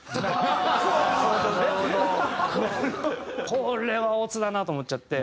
これはオツだなと思っちゃって。